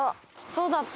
そうだった！